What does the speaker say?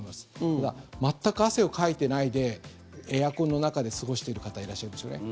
ただ、全く汗をかいてないでエアコンの中で過ごしている方いらっしゃいますよね。